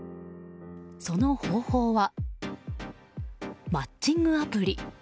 その方法は、マッチングアプリ。